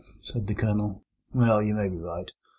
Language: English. said the Colonel. "Well, you may be right.